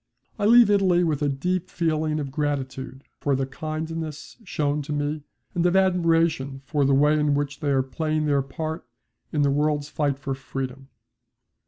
I leave Italy with a deep feeling of gratitude for the kindness shown to me, and of admiration for the way in which they are playing their part in the world's fight for freedom.